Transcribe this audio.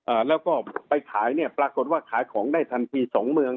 อ่าแล้วก็ไปขายเนี่ยปรากฏว่าขายของได้ทันทีสองเมือง